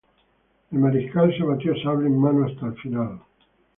El Mariscal se batió sable en mano hasta el final.